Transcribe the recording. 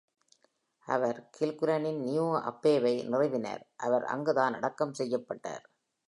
அவர் கில்குலனின் நியூ அப்பேவை நிறுவினார். அவர் அங்குதான் அடக்கம் செய்யப்பட்டார்.